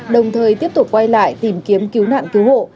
đồng thời tiếp tục quay lại tìm kiếm cứu nạn cứu hộ